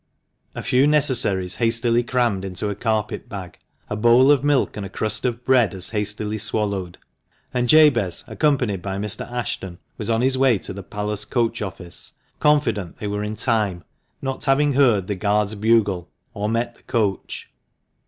A few necessaries hastily crammed into a carpet bag ; a bowl of milk and a crust of bread as hastily swallowed ; and Jabez, accompanied by Mr. Ashton, was on his way to the Palace coach office confident they were in time, not having heard the guard's bugle, or met the coach.